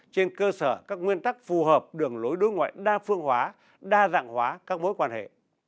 trên cơ sở các nguyên tắc phù hợp đường lối đối ngoại đa phương hóa đa dạng hóa các mối quan hệ